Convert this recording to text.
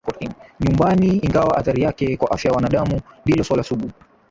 nyumbaniIngawa athari yake kwa afya ya wanadamu ndilo suala sugu